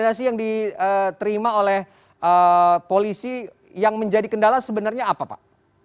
rekomendasi yang diterima oleh polisi yang menjadi kendala sebenarnya apa pak